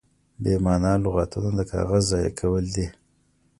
بې مانا لغتونه د کاغذ ضایع کول دي.